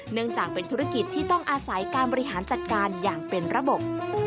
เนื่องจากเป็นธุรกิจที่ต้องอาศัยการบริหารจัดการอย่างเป็นระบบ